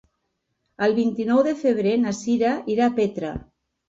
El vint-i-nou de febrer na Cira irà a Petra.